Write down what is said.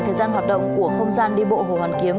thời gian hoạt động của không gian đi bộ hồ hoàn kiếm